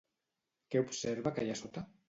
Què observa que hi ha a sota?